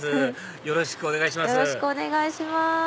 よろしくお願いします